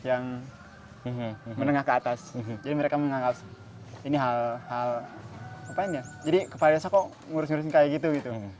yang menengah ke atas jadi mereka menganggap ini hal hal rupanya jadi kepala desa kok ngurus ngurusin kayak gitu gitu